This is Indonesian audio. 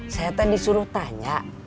saya tadi suruh tanya